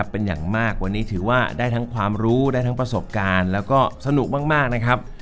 เป็นอย่างมากวันนี้ถือว่าได้ทั้งความรู้ได้ทั้งประสบการณ์แล้วก็สนุกมากนะครับ